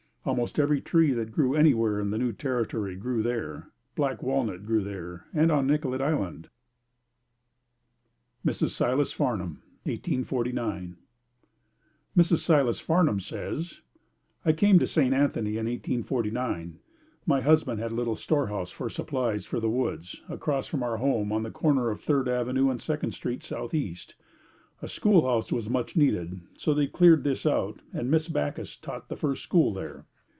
Almost every tree that grew anywhere in the new territory grew there. Black walnut grew there and on Nicollet Island. Mrs. Silas Farnham 1849. Mrs. Silas Farnham says: I came to St. Anthony in 1849. My husband had a little storehouse for supplies for the woods, across from our home on the corner of Third Avenue and Second Street, Southeast. A school house was much needed so they cleared this out and Miss Backus taught the first school there.